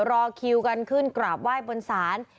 รอคิวกันขึ้นกราบไหว้บนศาล